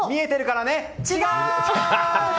違う！